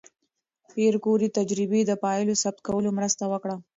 پېیر کوري د تجربې د پایلو ثبت کولو مرسته وکړه.